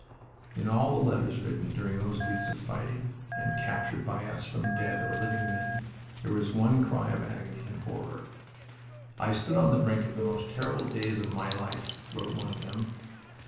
In all the letters written during those weeks of fighting and captured by us from dead or living men there was one cry of agony and horror. "I stood on the brink of the most terrible days of my life," wrote one of them.